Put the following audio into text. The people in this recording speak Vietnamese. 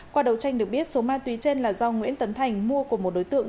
qua đấu tranh được biết số ma túy trên là do nguyễn tấn thành mua của một đối tượng